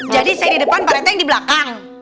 jadi saya di depan pak ranti yang di belakang